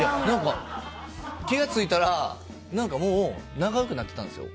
気が付いたらもう仲良くなってたんですよ。